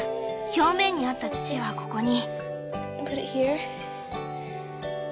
表面にあった土はここに。